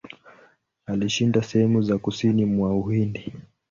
Alishinda sehemu za kusini mwa Uhindi.